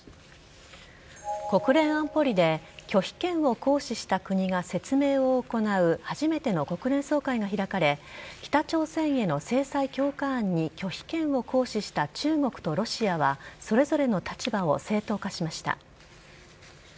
国連安保理で拒否権を行使した国が説明を行う初めての国連総会が開かれ北朝鮮への制裁強化案に拒否権を行使した中国とロシアはそれぞれの立場を正当化しました。